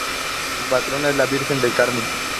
Su patrona es la Virgen de El Carmen.